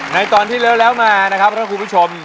ในตอนที่แล้วมานะครับถ้าคุณผู้ชม